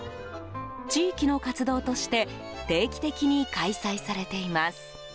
地域の活動として定期的に開催されています。